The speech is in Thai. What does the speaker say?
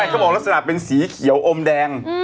ท่านบอกเป็นสีเขียวอมแดง